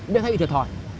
để thay vì thiệt thòi